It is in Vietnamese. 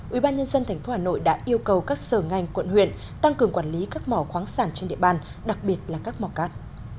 ubnd tp hà nội đã yêu cầu các sở ngành quận huyện tăng cường quản lý các mỏ khoáng sản trên địa bàn đặc biệt là các mỏ cát